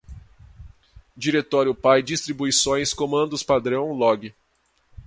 diretório-pai, distribuições, comandos-padrão, log